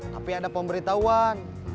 tapi ada pemberitahuan